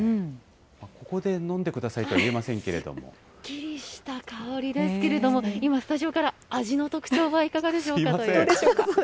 ここで飲んでくださいとは言えますっきりした香りですけれども、今、スタジオから味の特徴はいかがでしょうかと。